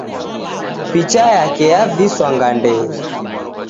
Picha yake yaviswa ngandenyi.